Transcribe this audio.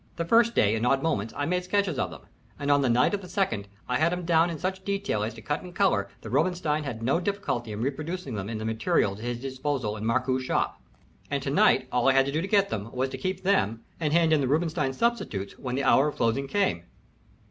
The first day, in odd moments, I made sketches of them, and on the night of the second I had 'em down in such detail as to cut and color, that Robinstein had no difficulty in reproducing them in the materials at his disposal in Markoo's shop. And to night all I had to do to get them was to keep them and hand in the Robinstein substitutes when the hour of closing came."